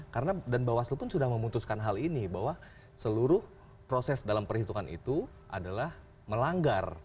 karena dan bawaslu pun sudah memutuskan hal ini bahwa seluruh proses dalam perhitungan itu adalah melanggar